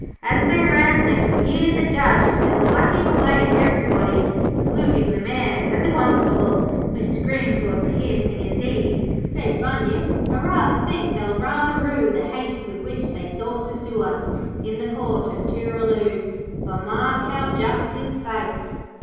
As they ran they could hear the Judge still whacking away at everybody, including the Mayor, and the Constable, whose screams were piercing. 'Indeed,' said Bunyip 'I rather think they'll rather rue The haste with which they sought to sue Us, in the Court of Tooraloo. For, mark how just is Fate!